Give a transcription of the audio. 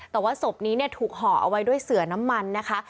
แต่ว่าศพนี้ถูกห่อเอาไว้ด้วยเสือน้ำมันนะคะ